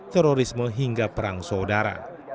terorisme hingga perang saudara